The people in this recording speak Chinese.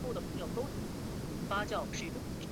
十六国北凉将领。